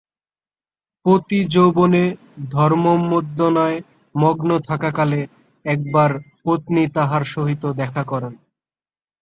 পতি যৌবনে ধর্মোন্মাদনায় মগ্ন থাকাকালে একবার পত্নী তাঁহার সহিত দেখা করেন।